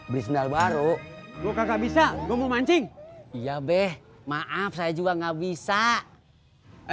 bisnis baru gua nggak bisa gua mau mancing iya beh maaf saya juga nggak bisa adik adik